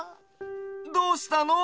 どうしたの？